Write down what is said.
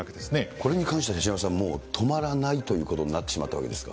これに対して手嶋さん、止まらないということになってしまったわけですか。